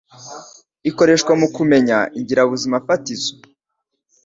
ikoreshwa mu kumenya ingirabuzimafatizo